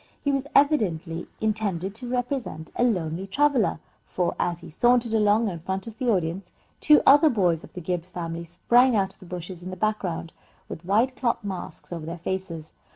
He was evidently intended to represent a lonely traveller, for, as he sauntered along in front of the audience, two other boys of the Gibbs family sprang out of the bushes in the background, with white cloth masks over their faces.